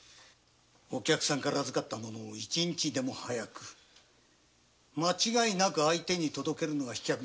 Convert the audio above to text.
お客さんから預かったものを１日でも早く間違いなく相手に届けるのが飛脚の仕事だ。